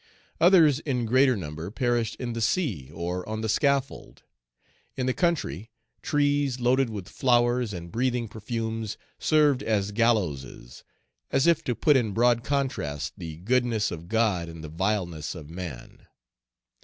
Others in greater number perished in the sea or on the scaffold. In the country, trees, loaded with flowers and breathing perfumes, served as gallowses, as if to put in broad contrast the goodness of God and the vileness of man.